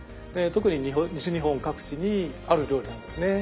特に西日本各地にある料理なんですね。